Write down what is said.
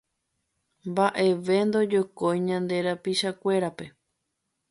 Mbaʼeve ndojokói ñande rapichakuérape.